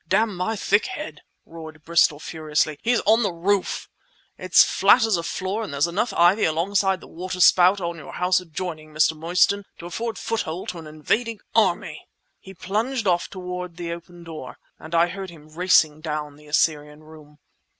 "Damn my thick head!" roared Bristol, furiously. "He's on the roof! It's flat as a floor and there's enough ivy alongside the water spout on your house adjoining, Mr. Mostyn, to afford foothold to an invading army!" He plunged off toward the open door, and I heard him racing down the Assyrian Room.